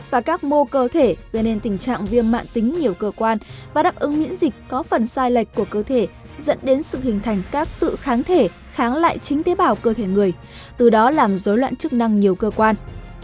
và các mô cơ thể gây nên tình trạng viêm mạng tính nhiều cơ quan và đáp ứng miễn dịch có phần sai lệch của cơ thể dẫn đến sự hình thành các tự kháng thể kháng lại chính tế bào cơ thể người từ đó làm dối loạn chức năng nhiều cơ quan